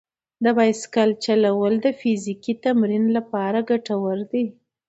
د بایسکل چلول د فزیکي تمرین لپاره ګټور دي.